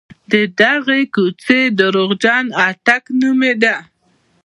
د دغې کوڅې درواغجن اټک نومېده.